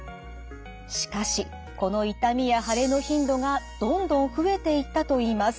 しかしこの痛みや腫れの頻度がどんどん増えていったといいます。